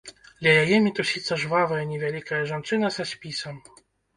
Ля яе мітусіцца жвавая невялічкая жанчына са спісам.